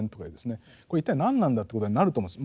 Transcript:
これ一体何なんだってことになると思うんです。